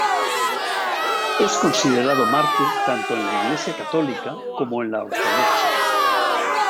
Es considerado mártir tanto en la Iglesia católica como en la ortodoxa.